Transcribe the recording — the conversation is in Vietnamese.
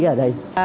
chị ở đây